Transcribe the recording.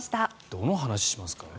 どの話しますかね。